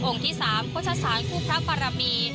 องค์ที่๓โภชศาลคู่พระปรามี